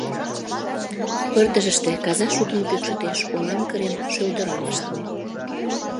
Пырдыжыште, каза шудымо кӱкшытеш, оҥам кырен, шӧлдырам ыштыме.